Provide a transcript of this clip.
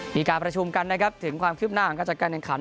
มีการประชุมกันนะครับถึงความคืบหน้าของการจัดการแข่งขัน